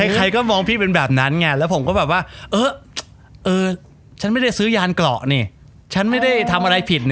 ใครก็มองพี่เป็นแบบนั้นไงแล้วผมก็แบบว่าเออฉันไม่ได้ซื้อยานเกราะนี่ฉันไม่ได้ทำอะไรผิดนะ